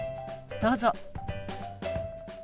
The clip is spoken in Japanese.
どうぞ。